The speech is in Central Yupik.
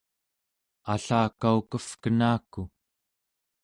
allakaukevkenaku